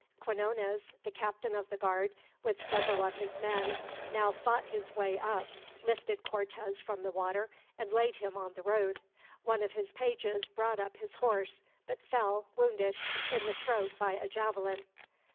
Quinones, the captain of the guard, with several of his men now fought his way up, lifted Cortez from the water, and laid him on the road. One of his pages brought up his horse, but fell, wounded in the throat by a javelin.